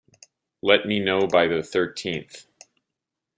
Let me know by the thirteenth.